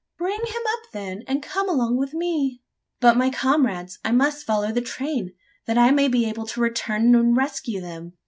"Bring him up, then, and come along with me!" "But my comrades? I must follow the train, that I may be able to return and rescue them?"